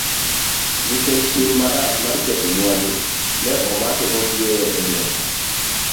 Nikech tim marach mar ketho mwandu, ne omake motueye e jela.